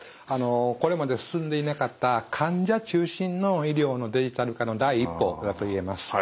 これまで進んでいなかった患者中心の医療のデジタル化の第一歩だといえます。